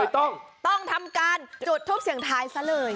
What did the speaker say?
ต้องทำการจุดทบเสียงทายซะเลย